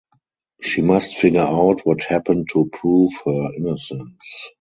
She must figure out what happened to prove her innocence.